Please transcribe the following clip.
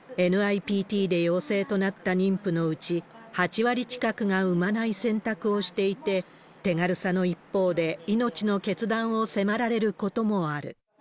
ＮＩＰＴで陽性となった妊婦のうち、８割近くが産まない選択をしていて、手軽さの一方で、命の決断を迫られることもある。